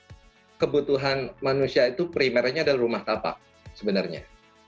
jadi saya harus bilang kalau kebutuhan manusia itu primernya adalah rumah apa sebenarnya